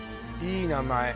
いい名前